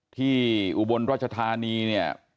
ที่อุบลรัชธานีเนี่ย